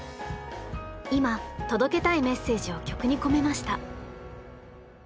今届けたいメッセージを曲に込めました。